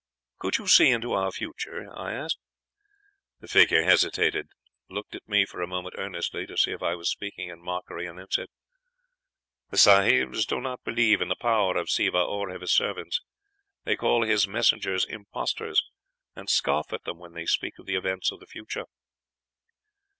"'Could you see into our future?' I asked. "The fakir hesitated, looked at me for a moment earnestly to see if I was speaking in mockery, and then said: "'The sahibs do not believe in the power of Siva or of his servants.. They call his messengers imposters, and scoff at them when they speak of the events of the future.'